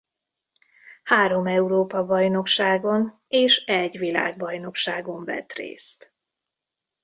Három Európa-bajnokságon és egy világbajnokságon vett részt.